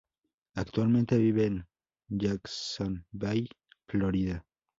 Actualmente vive en Jacksonville, Florida.